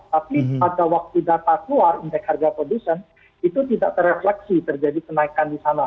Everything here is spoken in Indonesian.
tapi pada waktu data keluar indeks harga produsen itu tidak terefleksi terjadi kenaikan di sana